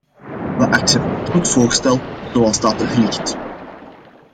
We accepteren het voorstel zoals dat er ligt.